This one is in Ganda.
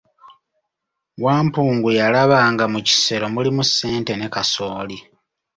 Wampungu yalaba nga mu kisero mulimu ssente ne kasooli.